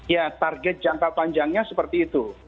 ya target jangka panjangnya seperti itu